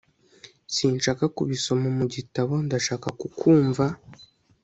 sinshaka kubisoma mu gitabo, ndashaka kukwumva